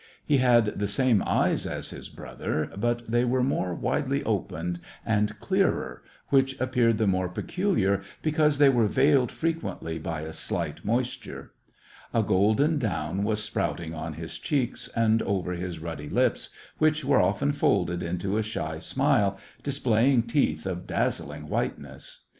He had the same eyes as his brother, but they were more widely opened, and clearer, which appeared the more peculiar because they were veiled frequently by a slight moisture. A golden down was sprout SEVASTOPOL IN AUGUST. 147 ing on his cheeks, and over his ruddy lips, which were often folded into a shy smile, displaying teeth of dazzling whiteness.